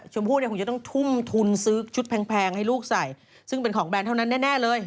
ชมพู่เนี่ยคงจะต้องทุ่มทุนซื้อชุดแพงให้ลูกใส่ซึ่งเป็นของแบรนดเท่านั้นแน่เลย